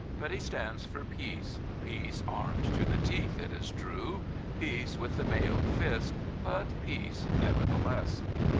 But he stands tor peace — peace armed to the teeth, it is true; peace with the mailed fist; but peace nevertheless.